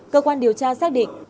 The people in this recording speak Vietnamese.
cơ quan điều tra xác định